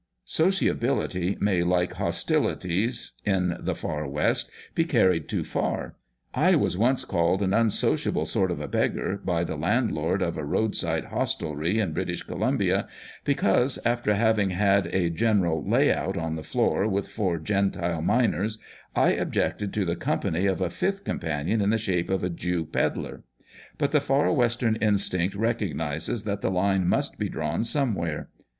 Sociability may, like hostilities, in the Far West, be carried too far. I was once called " an unsociable sort of a beggar" by the land lord of a roadside hostelry in British Columbia, because, after having had a general " lay out" on the floor with four Gentile miners, I objected to the company of a fifth companion in the shape of a Jew pedlar. But the Far Western instinct recognises that the line must be drawn some where.